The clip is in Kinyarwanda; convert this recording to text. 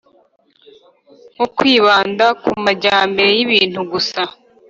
nko kwibanda ku majyambere y’ibintu gusa,